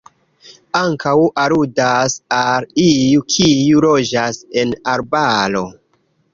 Ankaŭ aludas al iu, kiu loĝas en arbaro.